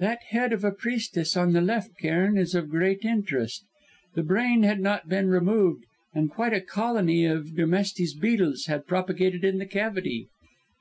"That head of a priestess on the left, Cairn, is of great interest. The brain had not been removed, and quite a colony of Dermestes Beetles had propagated in the cavity.